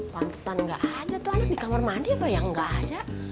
pantesan gak ada tuh anak di kamar mandi apa yang nggak ada